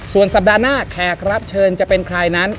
ส่วนสัปดาห์หน้าแขกรับเชิญจะเป็นใครนั้น